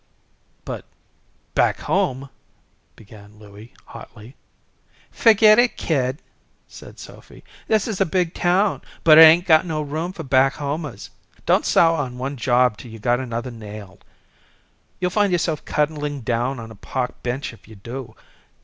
"But back home " began Louie, hotly. "Ferget it, kid," said Sophy. "This is a big town, but it ain't got no room for back homers. Don't sour on one job till you've got another nailed. You'll find yourself cuddling down on a park bench if you do.